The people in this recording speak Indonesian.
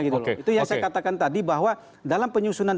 itu yang saya katakan tadi bahwa dalam penyusunan